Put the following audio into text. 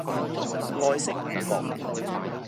愛惜羽毛